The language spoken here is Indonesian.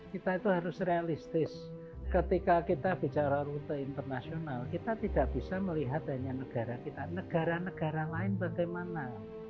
kita itu harus realistis ketika kita bicara rute internasional kita tidak bisa melihat hanya negara kita negara negara lain bagaimana